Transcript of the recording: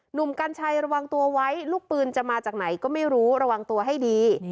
กัญชัยระวังตัวไว้ลูกปืนจะมาจากไหนก็ไม่รู้ระวังตัวให้ดี